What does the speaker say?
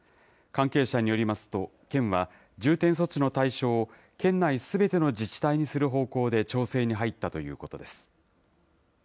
関係者によりますと、県は重点措置の対象を県内すべての自治体にする方向で調整に入ったということです。